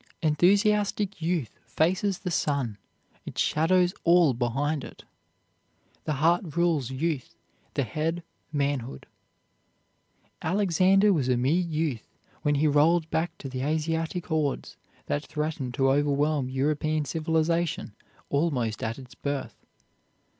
Enthusiastic youth faces the sun, it shadows all behind it. The heart rules youth; the head, manhood. Alexander was a mere youth when he rolled back the Asiatic hordes that threatened to overwhelm European civilization almost at its birth.